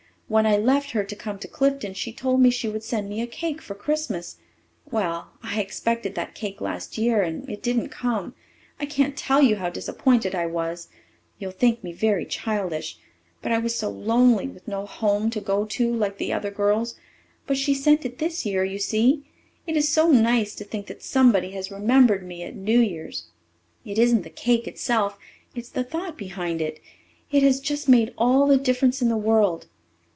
When I left her to come to Clifton she told me she would send me a cake for Christmas. Well, I expected that cake last year and it didn't come. I can't tell you how disappointed I was. You'll think me very childish. But I was so lonely, with no home to go to like the other girls. But she sent it this year, you see. It is so nice to think that somebody has remembered me at New Year's. It isn't the cake itself it's the thought behind it. It has just made all the difference in the world.